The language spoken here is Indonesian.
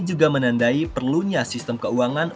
juga menandai perlunya sistem keuangan